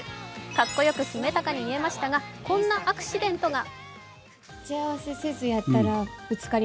かっこよく決めたかに見えましたが、こんなアクシデントが。